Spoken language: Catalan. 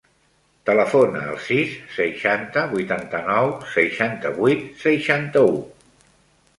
Telefona al sis, seixanta, vuitanta-nou, seixanta-vuit, seixanta-u.